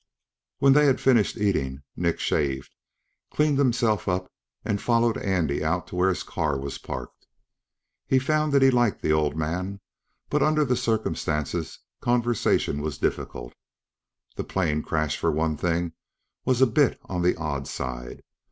When they had finished eating, Nick shaved, cleaned himself up and followed Andy out to where his car was parked. He found that he liked the old man, but under the circumstances conversation was difficult. The plane crash, for one thing, was a bit on the odd side.